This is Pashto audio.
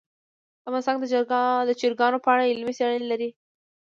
افغانستان د چرګان په اړه علمي څېړنې لري.